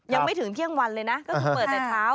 ยังไม่ถึงเที่ยงวันเลยนะก็คือเปิดแต่เช้า